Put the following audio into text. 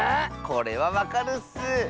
これはわかるッス！